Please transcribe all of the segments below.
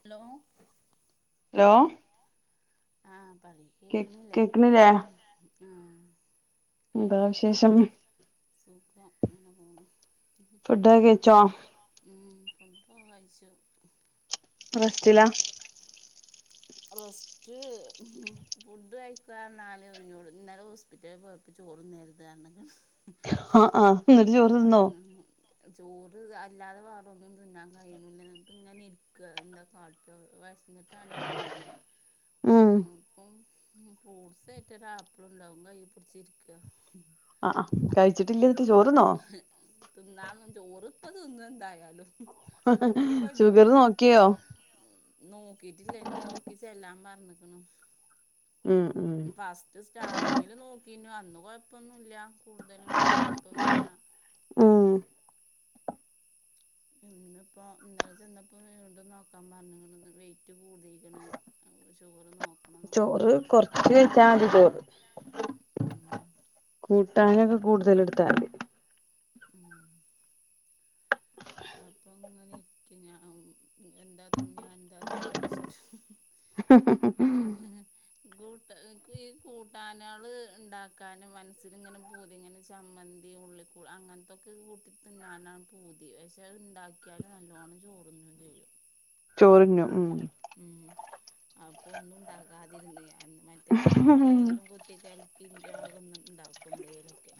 Hello hello ആഹ പറയ് കേ കേക്ക്ണില്ലേ കേക്കണില്ലേ ആഹ എന്താ കേൾക്കിണ്ട്. വിശേഷം സുഖം അങ്ങനെ പോണു. ഫുഡ് ഒക്കെ കഴിച്ചോ മ് ഫുഡൊക്കെ കഴിച്ചോ ഇപ്പം റെസ്റ്റിലാ റസ്റ്റ്‌ ഫുഡ് കഴിക്കാന്നാൽ ഇന്നലെ ഹോസ്പിറ്റലിൽ പോയിന്നു ഇപ്പൊ ചോറും ആഹ് ആഹ് എന്നിട്ട് ചോറ് തിന്നോ [unintelligible] ചോറ് ദ് അല്ലാതെ വാറൊന്നും തിന്നാൻ കയ്യുന്നില്ല. എന്നിട്ട് ഇങ്ങനെ ഇരിക്കാ. എന്താ കാട്ടാ? വെ ഇന്നിട്ട് ആണേങ്കിൽ വെയ്യ. ഉം ഉം ഫ്രൂട്ട്സായിട്ട് ഒരു ആപ്പിള് ഉണ്ടാവും ഇമ്മ അയിൽ പിടിച്ചിരിക്ക ആഹ ആഹ കഴിച്ചിട്ടില്ല എന്നിട്ട് ചോർന്നോ [inaudible] തിന്നാൻ ഒന്നും ചോർ ഇപ്പ തിന്നും എന്തായാലും. എനികജ്ജൂല ഷുഗർ നോക്കിയോ നോകീറ്റ്ല്ല ഇനി നോക്കി ചെല്ലാം പറഞ്ഞ്ക്ക്ണ് ഉം ഉം ഫസ്റ്റ് സ്റ്റാർട്ടിങ്ങില് നോക്കീനു അന്ന് കൊഴപ്പൊന്നും ഇല്ല കൂടുതലും അങ്ങൻത്തൊന്നുല്ലാ ഏഹ് ഇന്ന്പ്പൊ ഇന്നലെ ചെന്നപ്പോ വീണ്ടും നോക്കാൻ പറഞ്ഞ്ക്ക്ണ്ന്ന് വെയിറ്റ് കൂടി ക്കണ്‌ അവൊ ഷുഗറ് നോക്കണംന്നൊക്കെ ചോറ് പറഞ്ഞ്ക്ക്ണ് കൊറച്ച് കഴിച്ചാ മതി ചോറ് [unintelligible] ഉം കൂട്ടാനൊക്കെ കൂടുതല്ഇട്ത്താതി ഉം അപ്പൊ ഇങ്ങനെ ഇരിക്ക്യ ഞാൻ എന്താ തിന്നാ എന്താ തിന്നാ ഓയ്ച്ച്ട്ട് ഗൂട്ട് ഇക്ക് ഈ കൂട്ടാനാള് ഇണ്ടാക്കാന് മനസ്സ് സ്സ്ല്ങ്ങനെ പൂതി ഇങ്ങനെ ചമ്മന്തി ഉള്ളിക്കൂ അങ്ങൻത്തൊക്കെ കൂട്ടി തിന്നാനാണ് പൂ തി പക്ഷെ അയ് ഇണ്ടാക്കിയാലും നല്ലോണം ചോറുന്നും ചെയ്യും ചോറിന്നും ഉം ഉം അപ്പൊ ഒന്നുണ്ടാക്കാതിര്ന്ന് എന്ന് മറ്റേഹ് ഞാനെന്തേലും കു ത്തി കലക്കി ഇഞ്ചാകൊന്ന്ണ്ടാക്കും എന്തേലൊക്കെ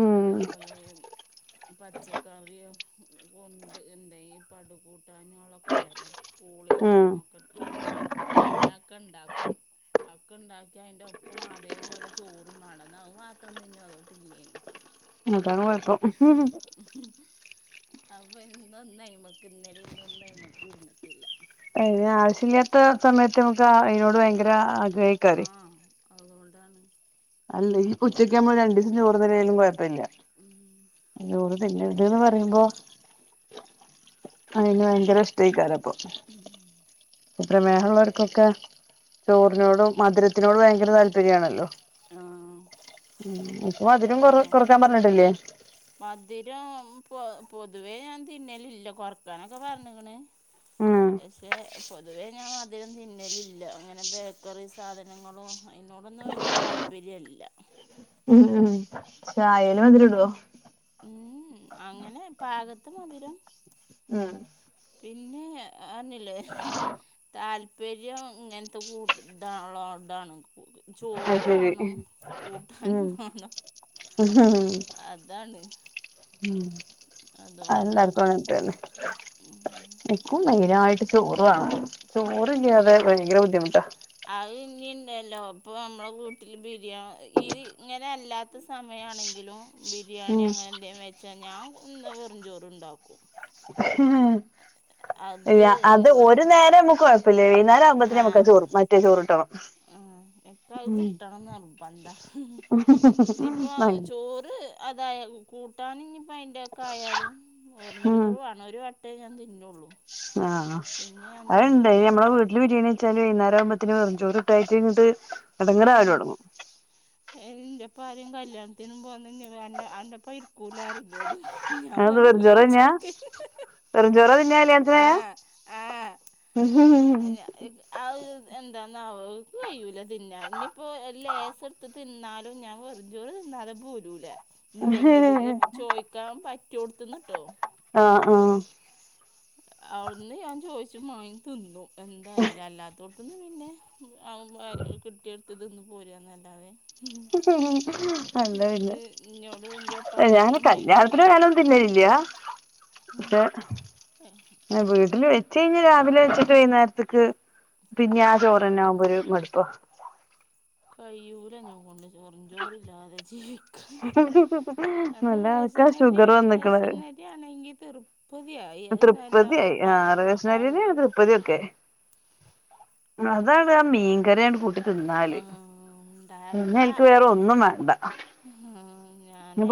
ഉം അതേപോലെയിം പച്ചക്കറിയും കൊണ്ട് എന്തേയും പടുകൂട്ടാനാളോ ക്കൊണ്ടല്ലോ പൂളീം ഉം കേഴ്‌ങ്ങൊക്കെ ഇട്ട് അങ്ങനെയൊക്കെ ഇണ്ടാക്കും അഹൊക്കെ ഇണ്ടാക്കിയ അയിന്റെ ഒപ്പം അതേപോലെ ചോറും വേണം ന്നാ അത് മാത്രം തിൻനോ അതൊട്ടില്ലേനും അതാണ് കൊ അപ്പൊ ഇന്നൊന്ന് അയ്‌മക്ക് ഇന്നലിം ഇന്നൊന്നും അയ്മക്ക് ഇര്ന്നിട്ട്ല്ല അയിന് ആവശ്യയില്ലാത്ത സമയത്ത് നമുക്ക് അയിനോട് ഭയങ്കര ആഗ്രഹി ആഹ് അതോണ്ടാണ് അല്ലെങ്കി പ്പൊ ഉച്ചക്ക് ഞമ്മൾ രണ്ടീസം ചോറ്ന്നില്ലേലും കൊഴപ്പല്ല്യ ഉം അയ്ഞോറ് തിന്നര്ത് ന്ന് പറീമ്പോ അയ്ന് ഭയങ്കര ഇഷ്ടെയ്ക്കാരപ്പൊ ഉം. പ്പ പ്രമേഹള്ളോര്ക്കൊക്കെ ചോറിനോടും മധുരത്തിനോട് ഭയങ്കര താല്പര്യ ആണല്ലോ ആഹ് ഉം ഇപ്പൊ മധ് രം കൊറ് കൊറക്കാൻ പറഞ്ഞിട്ടില്ലേ മധ് രം പൊ പൊതുവേ ഞാൻ തിന്നലില്ല കൊറക്കാനൊക്കെ പറഞ്ഞ്ക്ക്ണ് ഉം പശ്ശെ പൊതുവെ ഞാൻ മധുരം തിന്നലില്ല അങ്ങനെ ബേക്കറി സാധനങ്ങളും അയ്നോടൊന്നും വല്യെ താല്പര്യ അല്ല ഉം ചായേല് മധുരം ഇടോ ഉഹും അങ്ങനെ പാകത്ത് മധിരം ഉം പിന്നേ എഹ് അറിഞ്ഞില്ലേ താൽ പ്പര്യം ഇങ്ങൻത്തെ കൂട് ഇതാള്ളോടാ ണ് കു അത് ചോറു ശരി വാണം കൂട്ടാനും ഉം വാണം അതാണ് ഉം അഹ് അതുകൊണ്ടാണ് എല്ലാർക്കും അങ്ങൻതന്നെ ഇക്കും മെയിനായിട്ട് ചോറ് വാണം. ചോറില്ല്യാതെ ഉം ഭയങ്കര ബുദ്ധിമുട്ടാ അത് ഇനിയ്ണ്ടല്ലോ പ്പൊ നമ്മുടെ വീട്ടില് ബിരിയാ ത് ഇങ്ങനെ അല്ലാ ത്ത സമയാണെങ്കിലും ബിരിയാണി അങ്ങനെ എന്തേലും വെച്ചാ ഞാൻ ഒന്ന് വെറും ചോറ്ണ്ടാക്കും അത് യാ അത് ഒരു നേരം അമ്മക്ക് കൊഴ്‌ പിള്ളര് വൈകുന്നേരം ആവുമ്പത്തേന് നമുക്ക് ആഹ് ചോറ് മറ്റേ ചോറ് കിട്ടണം. ഉം [unintelligible] കിട്ടണന്ന് നിർബന്ധവാ. ഇനിയിപ്പൊ ചോറ് അതായത് കൂട്ടാന് ഇനിപ്പോ അതിൻ്റെയൊക്കെ ആയാലും വെറും ഉം ചോറും. ഇന്ന് ഒരു വട്ടവേ ഞാൻ തിന്നുയുള്ളൂ. ആഹ് അത് എന്തേലും നമ്മടെ എന്നിട്ട് വീട്ടിക്ക്. ഇന്ന് ബിരിയാണി വെച്ചാലും വൈകുന്നേരാകുമ്പത്തേക്കും വെറും ചോറ് ഇട്ട് കഴിഞ്ഞിട്ട് ഇങ്ങട്ട് ഇടങ്ങാറ് ആവാല് തുടങ്ങും. എന്ത്യ ഇപ്പൊ ആരെയും കല്യാണത്തിനും പോകുന്നെങ്കിൽ വേണ്ട എന്റെ ഒപ്പം. കുലാരം ചോറും ഞാൻ അതെന്താ വെറും ചോറ് വെറുംചോറ് വെച്ച് തിന്നാ കൊടുക്കും. വെറുംചോറാ തിന്നാ കല്യാണത്തിനായ ആഹ് ആഹ് അതിന് ഇങ്ങ്. അത് എന്താന്ന് ആവോ എനിക്ക് കഴിയൂല തിന്നാൻ, ഇനിയിപ്പോ ലേശം എടുത്തിട്ട്. തിന്നാലും ഞാൻ വെറും ചോറ് തിന്നാലും പോരുല്ല. ഉണ്ടെങ്കിൽ ചോദിക്കാൻ പറ്റിയോടുത്തുന്നുട്ടോ. ആഹ് ആഹ് അവിടുന്ന് ഞാൻ ചോദിച്ചു മാങ്ങി തിന്നും, എന്തായാലും അല്ലാത്തോടുത്തുന്ന പിന്നെ. അവന്മാര് കിട്ടിയെടുത്ത് തിന്ന് പോരുവന്നല്ലാതെ. ഉം അല്ല എന്നത് അത് ഇന്നോടും എന്റെ ഒപ്പം ആരെങ്കിലും ഉണ്ടെങ്കിൽ അവര് ഇപ്പൊ. ഇതിൽ ഇല്ല, പക്ഷെ. ആഹ് വീട്ടില് വെച്ച് കഴിഞ്ഞാൽ രാവിലെ വെച്ചിട്ട് വൈകുന്നേരത്തേക്ക് പിന്നെ ആഹ് ചോറ് തന്നെ ഉം ആവുമ്പോ ഒരു മടുപ്പ്. പോ കഴിയൂല്ല എന്നെ കൊണ്ട് വെറും ചോറില്ലാതെ ജീവിക്കാൻ. നല്ല ആൾക്കാ ഷുഗർ വന്നിരിക്കേണ്. ഇവിടെ ആണെങ്കിൽ തൃപ്പതിയായി, അത് നല്ലോ പാ ആഹ് ആഹ്. പൊതിയൊക്കെ അതാണ് മീൻ ശർക്കര കൂട്ടി തിന്നാല് പിന്നെ എനിക്ക് വേറെ ഒന്നും വേണ്ട. ഉം ഞാനേ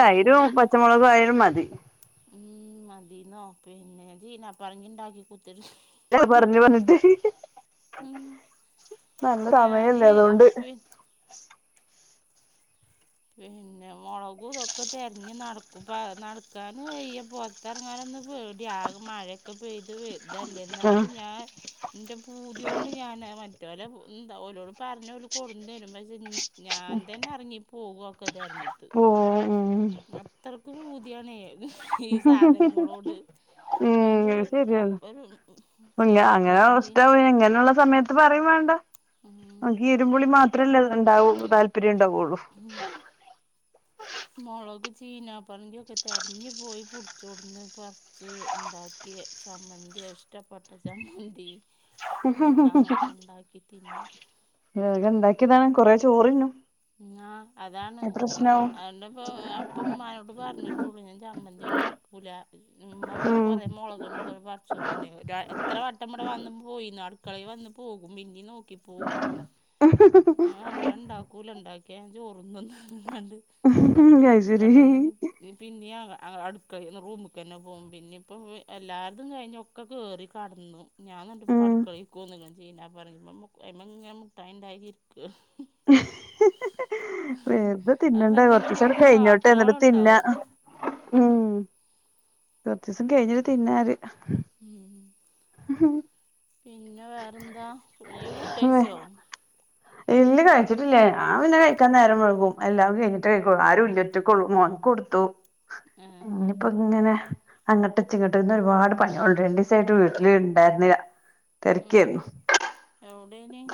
അത് തന്നെ ആയിരുന്നു. മുളക് ആയാലും മതി. ഉം മതിന്നോ, പിന്നെ [unintelligible] കുത്തിയിരിക്കും. പറഞ്ഞു പറഞ്ഞിട്ട് നല്ല ഞാന് സമയല്ലേ അതുകൊണ്ട്. പി പിന്നെ മുളകും ഇതൊക്കെ തിരഞ്ഞ് നടക്കുപ്പോ നടക്കാനായി ഇപ്പൊ. പുറത്തിറങ്ങാനൊന്നും പേടിയാ, ആകെ മഴയൊക്കെ പെയ്ത് ഇതല്ലേ ആ എന്നാലും ഞാൻ. എൻ്റെ പൂതികൊണ്ട് ഞാൻ മറ്റവനെ ഉം ഓലോട് പറഞ്ഞാൽ ഓര് കൊണ്ടോന്ന് തരും പക്ഷെ. ഇത് ഞാൻ തന്നെ ഇറങ്ങി പോകും ഒക്കെ തെരഞ്ഞിട്ട് പോ ഉം ആഹ്. ഇത്രക്ക് പൂതിയാന്നെ ഈ സാധനങ്ങളോട്. അയിന്റെ ഉം അപ്പനും ശരിയാണ് ഒരു ഇങ്ങ ചീനാ അങ്ങനെ പറങ്കി. ഇഷ്ടാവ ഇങ്ങനെയുള്ള ഉം നിനക്ക് ഇരുമ്പപുളി മാത്രമല്ലേ ഉണ്ടാവു താല്പര്യം ഉണ്ടാവയുള്ളൂ. ഉം മുളക് ചീനാ പറങ്കിയൊക്കെ തിരഞ്ഞു പോയി പിടിച്ചോടന്ന് ഇപ്പൊ. ഇജ്ജ് ഉണ്ടാക്കിയ ചമ്മന്തി ഇഷ്ടപ്പെട്ട ചമ്മന്തി. കൂട്ടാനൊക്കെ ഉണ്ടാക്കി തിന്ന്. വേഗം ഉണ്ടാക്കിയതാണേ, കുറേ ചോറ് തിന്നാം. ആഹ് അതാണ് അന്റെ ഒപ്പം. ഇപ്പം ഉമ്മാനോട് പറഞ്ഞിട്ടുള്ളൂ ഞാൻ ചമ്മന്തി ഒന്നും അരക്കൂല, ഉമ്മ കുറെ മുളക്. അതുകൊണ്ട് കൊറെ വന്നായിരുന്നു ഗാ എത്രവട്ടം ഇവിടെ വന്നും പോയിരുന്നു അടുക്കളയിൽ വന്നു പോകും പിന്നെ നോ നോക്കി പോവും, ഞാൻ ഇനി ഉണ്ടാക്കൂല ഉണ്ടാക്കിയ ചോറും തിന്നോണ്ട്. ഉം അയ്ശരി ഇങ്ങോട്ട് ഒന്ന്. ഇനി പിന്നെ ആക്കാം ആഹ് അടുക്കളയിൽ നിന്ന് റൂമിക്ക് തന്നെ പോകും, പിന്നെ ഇപ്പം എല്ലായിടത്തും കഴിഞ്ഞു. ഒക്കെ കേറി കിടന്നു, ഞാൻ എന്നിട്ട് ഇപ്പൊ ഉം അടുക്കളക്കിലേക്ക് വന്ന് ഇങ്ങ് ചെയ്യാൻ പറയുമ്പോ [unintelligible] ഇങ്ങനെ. [unintelligible] [unintelligible] വെറുതെ അതിപ്പം തിന്നണ്ട കുറച്ച് എന്തെങ്കിലും ദിവസം ഒന്ന് കൂടി കഴിഞ്ഞോട്ട് എന്നിട്ട് കാട്ടോളം തിന്ന ഉണ്ടാവും ഉം കൊറച്ച് ദിവസം കഴിഞ്ഞിട്ട് തിന്നാര് ഉം [unintelligible] പിന്നെ വേറെന്താ ഇയ്യ് ഫുട്ടഴ്ച്ചോ? ഇല്ല കഴിച്ചിട്ടില്ല ഞാപിന്നെ കഴിക്കാൻ നേരം വൈകും എല്ലാതും കഴിഞ്ഞിട്ടേ കഴിക്കൊള്ളൂ ആരുംല്ല്യ ഒറ്റകൊള്ളൂ മോൻ കൊട്ത്തു ആഹ് കൊങ്ങനെ. അങ്ങോട്ടെത്തി ഇങ്ങട്ട്ന്ന് ഒരുപാട് പണികള്ണ്ട് രണ്ടീസായിട്ട് വീട്ടില് ഇണ്ടായിര്ന്നീല തെരാക്കേര്ന്നു. എവ്ടെയ്ന്?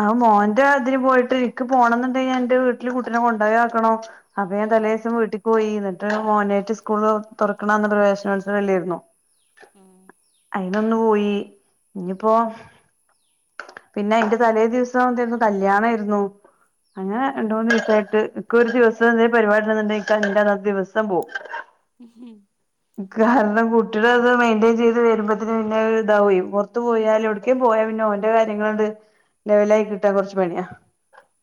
ആഹ് മോന്റെ അതിന് പോയിട്ട് എനിക്ക് പോണംന്ന്ണ്ടെങ്കിഎന്റെ വീട്ടില് കുട്ടീനെ കൊണ്ടേയാക്കണം അപ്പൊ ഞാൻ ആ തലേദിവസം വീട്ടിൽ പോയി എന്നിട്ട് മോനേട്ട് സ്കൂൾ തുറക്കണന്ന് പ്രവേശനൊത്സവം അല്ലേര്ന്നൊ. ഉം അയിനൊന്നു പോയി ഇനിപ്പോ പിന്നെ അയ്ൻ്റെതലേ ദിവസം എന്തേര്ന്നു കല്യാണേര്ന്നു അങ്ങനെ രണ്ട്മൂന്നീസായിട്ട് ഇകൊരു ദിവസം എന്തേലും പരിപാടിണ്ട്ന്ണ്ടെങ്കി അന്നത്തെ ആദിവസം പോകും. [unintelligible] കാരണം കുട്ടികള അത് മെയിന്റെയ്ൻ ചെയ്ത് വരുമ്പോത്ത്ന് പിന്നെ ഇതാവേ. ത്ത് പോയാല് എട്ക്കേംപോയാല് പിന്നെ ഓന്റെ കാര്യങ്ങളാണ്ട് ലെവലായി കിട്ടാൻ കൊർച്ച് പണ്യാ.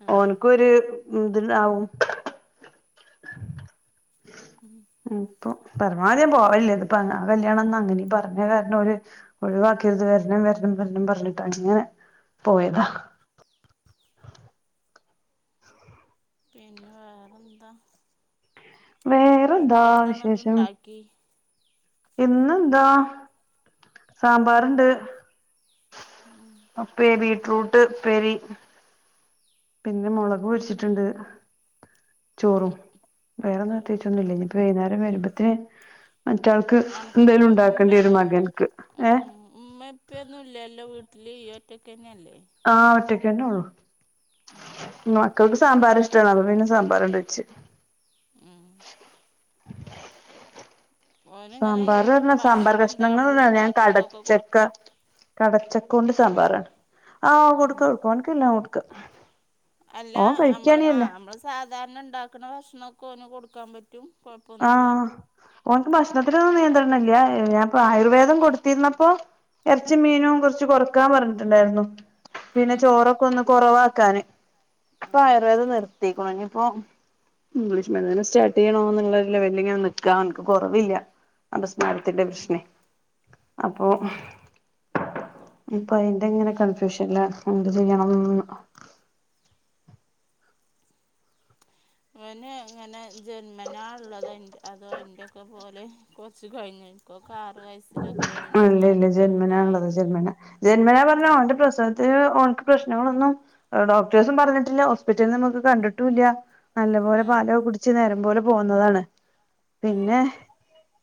ആ ഓൻക്കൊര് ഇത്ണ്ടാവും. ഉം പൊ പരമാവധി ഞാപോവലില്ല ഇത്പ്പൊ അങ്ങ കല്യാണംന്ന് അങ്ങനീം പർഞ്ഞ കാരണം ഓല്. ആ ഒഴിവാക്കര്ത് വര്ണം വര്ണം വര്ണം പറഞ്ഞിട്ടങ്ങനെ പോയതാ. പിന്നെ വേറെന്താ? വേറെന്താ ഫുഡ് എന്താ എന്നിട്ട് വിശേഷം ഇണ്ടാക്കി? ഇന്നെന്താ സാമ്പാറ്ണ്ട്. ഉം ഉപേരി ബീറ്റ്റൂട്ട് ഉപ്പേരി പിന്നെ മൊളക് പൊരാച്ച്ട്ട്ണ്ട് ചോറും വേറൊന്ന് പ്രത്തൈച്ചൊന്നുംല്ല ഉം ഇനിയിപ്പ വൈകേരം വരുമ്പോത്തിന്. മറ്റാൾക്ക് അണക്ക് എന്തേലും ഉമ്മ ഉണ്ടാക്കണ്ടരും മകൻക്ക് ഏഹ്. ഉമ്മ ഉപ്യൊന്നും ഇല്ലല്ലോ വീട്ടല് യ്യ് ഒറ്റക്കന്നെല്ലേ? ആഹ് ഒറ്റക്കന്നൊള്ളു മ ക്കൾക്ക് സാമ്പാറ് ഇഷ്ടാണ് അപ്പ പിന്നെ സാമ്പാറണ്ടെച്ച്. ഉം ഓനിങ്ങനെ ഈ സാമ്പാർപർഞ സാമ്പാർ ഭക്ഷണം എന്താ കഷ്ണങ്ങൾ നമ്മൾ ഞാൻ ഉണ്ടാക്കണതൊക്കെ കടച്ചക്ക. കൊടുക്കാ കടച്ചക്കോണ്ട് സാമ്പാറാണ് ആഹ് ഉം കൊടുക്കും കൊടുക്കും ഓൻക്ക് എല്ലാം കൊടുക്കും. അല്ല നമ്മള് ആഹ് നമ്മള് സാധാരണ ഉണ്ടാക്ക്ണ ഭക്ഷണൊക്കെ ഓന് കൊടുക്കാപറ്റും. ആഹ് ഓൻക്ക് ഭക്ഷണത്തിനൊന്നും നിയന്ത്രണംല്ല്യ ഞാൻപ്പോ ആയുർവേദം കൊടുത്തീര്ന്നപ്പോ. എർച്ചിം മീനും കൊർച്ച് കൊർക്കാൻ പറഞ്ഞിട്ടുണ്ടായിരുന്നു പിന്നെ ഉം ചോറൊക്കെ ഒന്ന് കൊറവാക്കാന്. ഇപ്പൊ ആയുർവേദം നിർത്തിക്ക്ണ്ഞിപ്പോ ഇംഗ്ലീഷ് മരുന്നന്നെസ്റ്റാർട്ട് ചെയ്യണോ ന്നുള്ള നല്ല വല്ലിങ്ങെനെ നിക്കാൻ ഓൻക്ക്കൊറവില്ല. അപസ്മാരത്തിന്റെ ഉം പ്രശ്നേ അപ്പൊ. അപ്പൊ അയ്ന്റെങ്ങനെ കൺഫ്യൂഷൻലാണ് എന്ത് ചെയ്യണംന്ന്. അവന് ഇങ്ങനെ ജന്മനാള്ളത് അതോ എന്റൊക്കെ പോലെ കൊർച്ച്‌ കൊഴിഞ്ഞ്. ക്കെ ആറ് വയ അല്ലല്ല ജന്മനാ ഉള്ളതാ ആയത് ജന്മന ജന്മനാ പറഞ്ഞ ഉം ഓന്റെ പ്രസവ ഓൻക്ക് പ്രശ്നങ്ങളൊന്നും ഡോക്ടേഴ്സും പർഞ്ഞിട്ടില്ല ഹോസ്പിറ്റൽന് നമുക്ക് കണ്ടിട്ടുംല്ല. നല്ലപോലെ ഏ പാലൊകെ കുട്ച്ച് നേരം പോലെ പോന്നതാണ് ഏ പിന്നെ.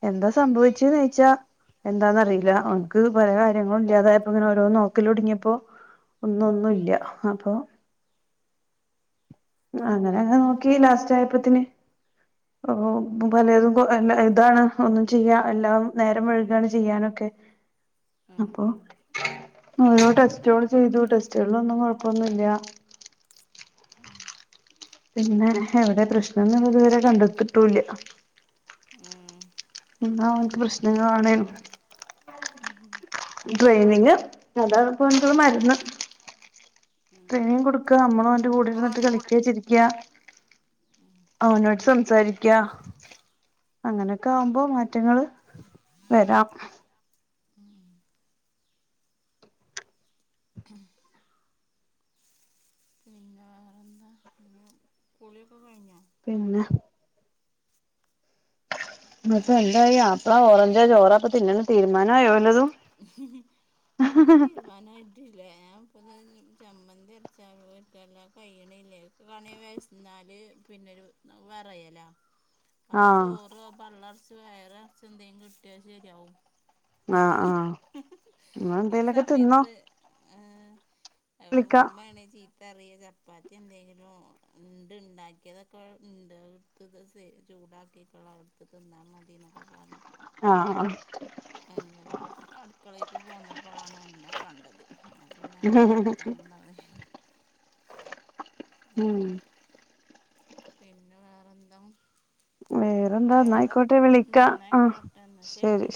എന്താ സംഭവിച്ച്നോയ്ച്ചാ. എന്താന്ന് അറീല്ല ഓൻക്ക് പല കാര്യങ്ങളും ഇല്ലാതായപ്പൊ ഇങ്ങനോരോ നോക്കലൊട്ങ്ങിയപ്പോ. ഉം ഒന്നൊന്നും ഇല്ല്യ അപ്പൊ. അങ്ങനെ അങ്ങെനെനോക്കി ലാസ്റ്റായപ്പത്തിന് ഓ പലതും എല്ല ഇതാണ് ഒന്നും ചെയ്യാ എല്ലാം നേരം വൈകി പണിചെയ്യാനൊക്കെ ഉം അപ്പോ ഉം ഓരോ ടെസ്റ്റുകൾ ചെയ്തു ടെസ്റ്റുകളിൽ ഒന്നും കുഴപ്പൊന്നുല്ല ഉം പിന്നെ എവിടെ പ്രശ്നം എന്ന് ഇതുവരെ കണ്ടെത്തിട്ടൂല്ല ഉം എന്ന അവനക്ക് പ്രശ്നങ്ങളാണു ഉം ട്രെയിനിങ് അതോ ഓന്ക്കുള്ള മരുന്ന് ഉം ട്രെയിനിങ് കൊടുക്ക നമ്മളുന്റെ കൂടെന്നിട്ട് മോന്റെ കളിക്കാച്ചിരിക്ക ഉം അവനോട് സംസാരിക്കാ അങ്ങനെയൊക്കെ ആവുമ്പോ മാറ്റങ്ങൾ വരാം ഉം [unintelligible] പിന്നെ വേറെന്താ കുളിയൊക്കെ കഴിഞ്ഞോ പിന്നെ ഏ ഇന്നിട്ട് എന്തായി ആപ്പിള ഓറഞ്ചാ ചോറാപ്പ തിന്ന്ന് തീരുമാനമായോല്ലതും ഒന്നും തിരു വാനായിട്ടില്ല ഞാൻ ഇപ്പ ചമ്മന്തി [unintelligible] എല്ലാം കഴിയണല്ലേ വണി വിശന്നാല് പിന്നൊരു വെറയല അത് ആഹ് ചോറ് പള്ള നറച്ച് വയറ്നറച്ച് എന്തെങ്കിലും കിട്ടിയാൽ ശരിയാവും ആഹ് ആഹ് എന്തേലൊക്കെ തിന്നോ എഹ് വിളിക്കാം ഉമ്മ [unintelligible] ചെറിയ ചപ്പാത്തി എന്തെങ്കിലും ഇണ്ട് ഇണ്ടാക്കിയതൊക്കെ ഇണ്ട് അത് ചൂടാക്കിക്കള്ള അടുത്ത് തിന്നാൽ മതി എന്നൊക്കെ പറഞ്ഞു ആഹ് ആഹ് എങ്ങനെ അടുക്കളേക്ക് പോന്നപ്പോളാണ് അന്ന കണ്ടത് എന്ന പിന്നെ അന്നോട് ആഹ് വർത്താനും പറയാ ഉം പിന്നെ വേറെന്താ വേറെന്താ ന്നായിക്കോട്ടെ വേറെന്താ വിളിക്കാ ആഹ് ഇന്നയിക്കോട്ടെ ശരി